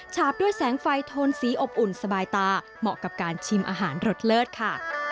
ฉาบด้วยแสงไฟโทนสีอบอุ่นสบายตาเหมาะกับการชิมอาหารรสเลิศค่ะ